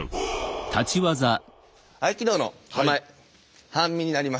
合気道の構え半身になります。